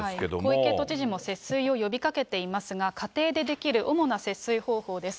小池都知事も、節水を呼びかけていますが、家庭でできる主な節水方法です。